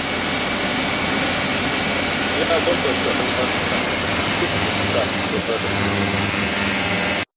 Yǎ bᾱ mbα ndᾱʼ nα̌ʼ ntaa pí kǔʼkaʼ ǒ hᾱ len.